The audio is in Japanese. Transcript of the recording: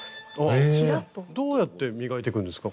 どうやって磨いていくんですかこれは。